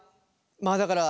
まあだから。